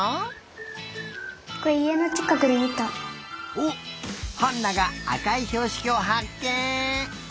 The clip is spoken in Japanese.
おっハンナがあかいひょうしきをはっけん！